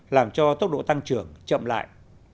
làm cho tốc độ tăng trưởng chậm lại